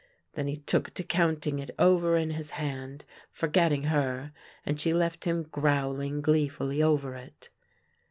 Then he took to counting it over in his hand, forgetting her, and she left him growling gleefully over it.